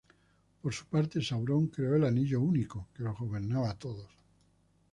Por su parte, Sauron creó el Anillo Único que los gobernaba a todos.